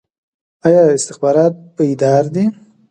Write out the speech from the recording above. آیا استخبارات بیدار دي؟